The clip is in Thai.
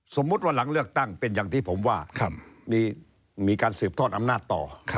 สมมุติว่าหลังเลือกตั้งเป็นอย่างที่ผมว่ามีการสืบทอดอำนาจต่อ